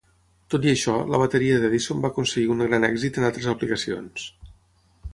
Tot i això, la bateria d'Edison va aconseguir un gran èxit en altres aplicacions.